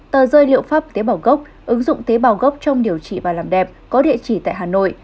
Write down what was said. tờ rơi liệu pháp tế bào gốc ứng dụng tế bào gốc trong điều trị và làm đẹp có địa chỉ tại hà nội